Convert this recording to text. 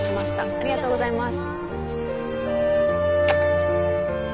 ありがとうございます。